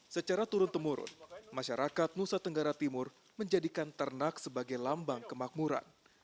secara turun temurun masyarakat nusa tenggara timur menjadikan ternak sebagai lambang kemakmuran